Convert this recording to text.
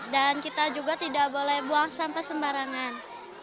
dan kita juga tidak boleh buang sampah sembarangan